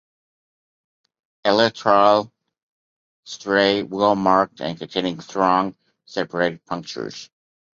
Elytral striae well marked and containing strong separated punctures.